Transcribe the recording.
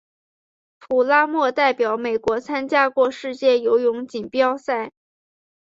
普拉默代表美国参加过世界游泳锦标赛。